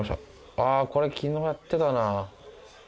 あぁこれ昨日やってたな。